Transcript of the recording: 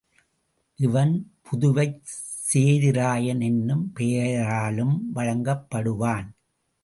இவன் புதுவைச் சேதிராயன் என்னும் பெயராலும் வழங்கப்படுவான்.